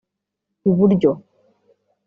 i buryo